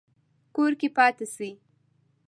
کور کې پاتې شئ